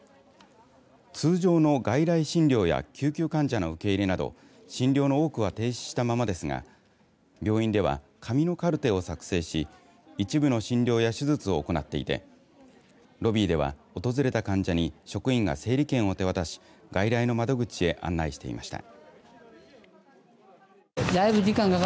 通常の外来診療や救急患者の受け入れなど診療の多くは停止したままですが病院では紙のカルテを作成し一部の診療や手術を行っていてロビーでは訪れた患者に職員が整理券を手渡し外来の窓口へ案内していました。